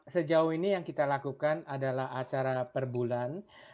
sejauh ini yang kita lakukan adalah acara per bulan